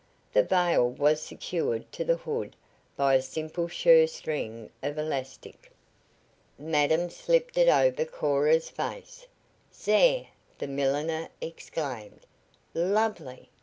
The veil was secured to the hood by a simple shirr string of elastic. Madam slipped it over Cora's face. "Zere!" the milliner exclaimed. "Lovely!"